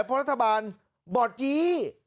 เพราะรัฐบาลบอร์ดยี้